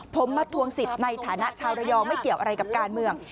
ผมมาทวงสิทธิ์ในฐานะชาวระยองไม่เกี่ยวอะไรกับการเมือง